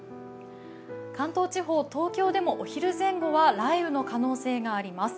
関東地方、東京でもお昼前後は雷雨の可能性があります。